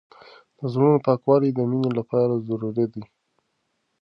د زړونو پاکوالی د مینې لپاره ضروري دی.